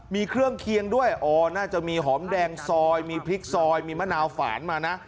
มีเครื่องเคียงด้วยอ๋อน่าจะมีหอมแดงซอยมีพริกซอยมีมะนาวฝานมานะ